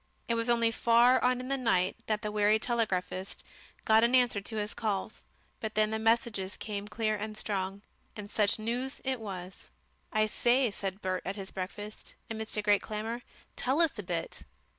It was only far on in the night that the weary telegraphist got an answer to his calls, but then the messages came clear and strong. And such news it was! "I say," said Bert at his breakfast, amidst a great clamour, "tell us a bit."